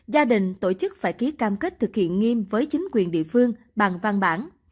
gia đình tổ chức phải ký cam kết thực hiện nghiêm với chính quyền địa phương bằng văn bản